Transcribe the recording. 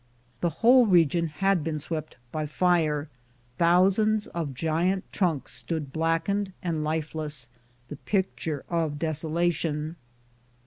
The whole region had been swept by fire : thousands of giant trunks stook blackened and lifeless, the pic ture of desolation.